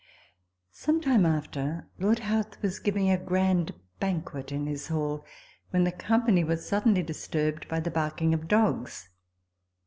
Some time after, Lord Howth was giving a grand banquet in his hall, when the company were suddenly disturbed by the barking of dogs.